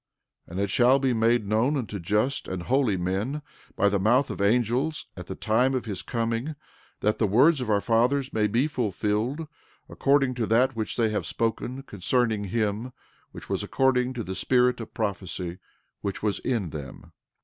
13:26 And it shall be made known unto just and holy men, by the mouth of angels, at the time of his coming, that the words of our fathers may be fulfilled, according to that which they have spoken concerning him, which was according to the spirit of prophecy which was in them.